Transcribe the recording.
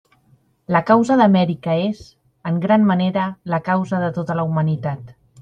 La causa d'Amèrica és, en gran manera, la causa de tota la humanitat.